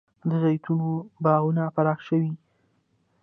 د زیتون باغونه پراخ شوي؟